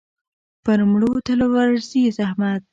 پر مړو تل ورځي زحمت.